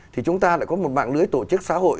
thì chúng ta lại có một mạng lưới tổ chức xã hội